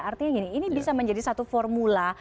artinya gini ini bisa menjadi satu formula